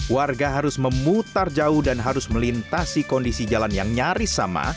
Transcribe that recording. warga harus memutar jauh dan harus melintasi kondisi jalan yang nyaris sama